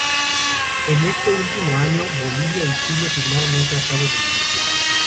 En este último año, Bolivia y Chile firmaron un tratado de límites.